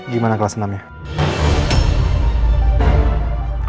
gimana kelas enam nya